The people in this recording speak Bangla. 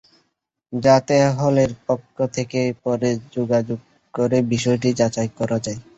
যাতে হলের পক্ষ থেকে পরে যোগাযোগ করে বিষয়টি যাচাই করা যায়।